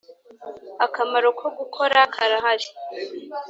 akamaro ko gukora karahari